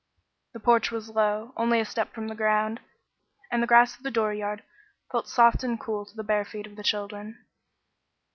The porch was low, only a step from the ground, and the grass of the dooryard felt soft and cool to the bare feet of the children.